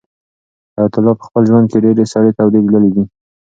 حیات الله په خپل ژوند کې ډېرې سړې تودې لیدلې دي.